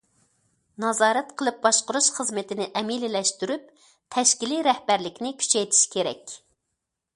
نازارەت قىلىپ باشقۇرۇش خىزمىتىنى ئەمەلىيلەشتۈرۈپ، تەشكىلىي رەھبەرلىكنى كۈچەيتىش كېرەك.